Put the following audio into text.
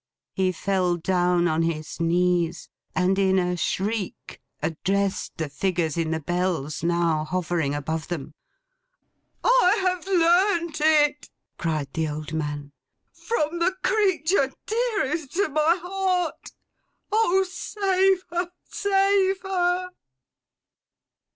He fell down on his knees, and in a shriek addressed the figures in the Bells now hovering above them. 'I have learnt it!' cried the old man. 'From the creature dearest to my heart! O, save her, save her!